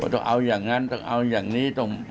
ต้องเอาอย่างนั้นต้องเอาอย่างนี้